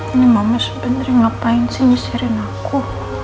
ini mama sebenarnya ngapain sih nyisirin aku